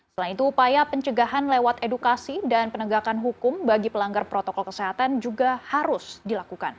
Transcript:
selain itu upaya pencegahan lewat edukasi dan penegakan hukum bagi pelanggar protokol kesehatan juga harus dilakukan